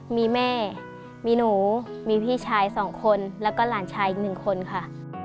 มีแม่หนูพี่ชายสองและร่านชายอีก๑คนค่ะ